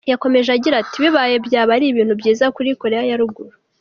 Yakomeje agira ati "Bibaye byaba ari ibintu byiza kuri Koreya ya Ruguru.